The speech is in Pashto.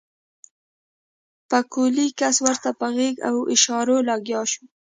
پکولي کس ورته په غږ او اشارو لګيا شو.